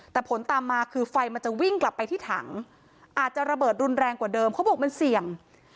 แต่ผลตามมาคือไฟมันจะวิ่งกลับไปที่ถังอาจจะระเบิดรุนแรงกว่าเดิมเขาบอกมันเสี่ยง